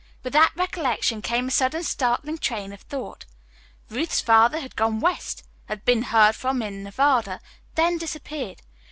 With that recollection came a sudden startling train of thought. Ruth's father had gone west, had been heard from in Nevada, then disappeared.